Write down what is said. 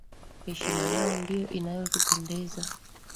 Heshima yao ndiyo inayotupendeza